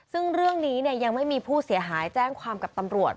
ซึ่งเรื่องนี้ยังไม่มีผู้เสียหายแจ้งความกับตำรวจ